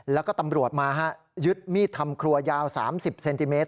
แล้วก็ตำรวจมาฮะยึดมีดทำครัวยาว๓๐เซนติเมตร